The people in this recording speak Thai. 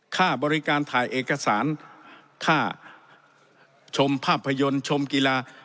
ค่าบริการถ่ายเอกสารค่าชมภาพยนตร์ชมกีฬา